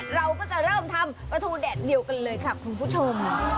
เราก็จะเริ่มทำปลาทูแดดเดียวกันเลยค่ะคุณผู้ชม